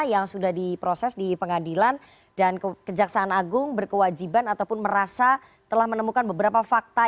yang sudah diproses di pengadilan dan kejaksaan agung berkewajiban ataupun merasa telah menemukan beberapa fakta